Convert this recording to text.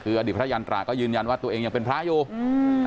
คืออดีตพระยันตราก็ยืนยันว่าตัวเองยังเป็นพระอยู่อืม